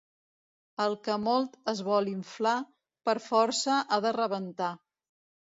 El que molt es vol inflar, per força ha de rebentar.